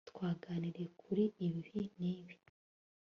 twaganiriye kuri ibi n'ibi